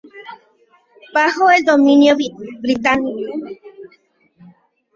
Bajo el dominio británico su ubicación resultó un problema administrativo.